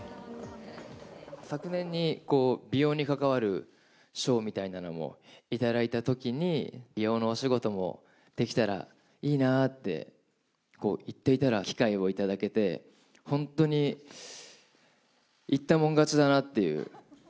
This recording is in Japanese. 昨年に、美容に関わる賞みたいなのを頂いたときに、美容のお仕事もできたらいいなって言っていたら、機会をいただけて、本当に言ったもん勝ちだなっていう。